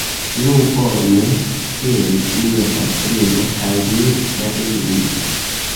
Nu bone! diris mia patrino, kaj ni eliris.